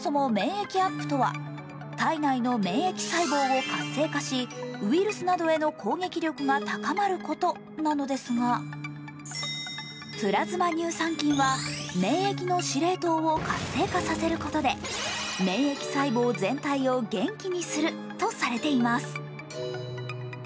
そもそも免疫アップとは体内の免疫細胞を活性化し、ウイルスなどへの攻撃力が高まることなのですが、プラズマ乳酸菌は免疫の司令塔を活性化させることで免疫細胞全体を元気にするとされています。